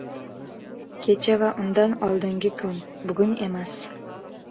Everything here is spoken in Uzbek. • Kecha va undan oldingi kun — bugun emas.